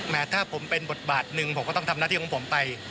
ถ้าผมเป็นบทบาทหนึ่งผมก็ต้องทำหน้าที่ของผมไป